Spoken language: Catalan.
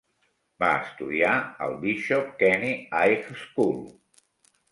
Va estudiar al Bishop Kenny High School.